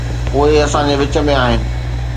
اهي اسان جي وچ ۾ آهن.